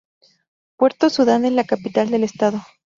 Puerto Sudán es la capital del estado.